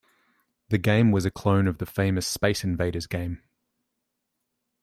The game was a clone of the famous "Space Invaders" game.